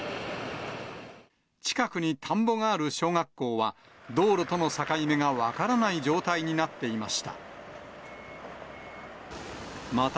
近くに田んぼがある小学校は、道路との境目が分からない状態になっていました。